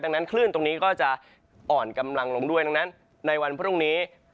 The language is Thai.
ดังนั้นคลื่นตรงนี้ก็จะอ่อนกำลังลงด้วยดังนั้นในวันพรุ่งนี้